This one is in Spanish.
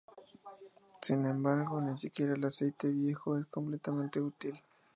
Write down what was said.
Sin embargo, ni siquiera el aceite viejo es completamente inútil.